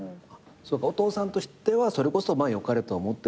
お父さんとしてはそれこそよかれと思って。